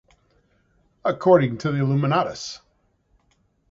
According to Illuminatus!